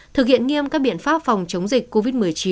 thực hiện nghiêm các biện pháp phòng chống dịch covid một mươi chín